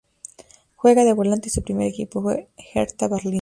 Juega de volante y su primer equipo fue Hertha Berlín.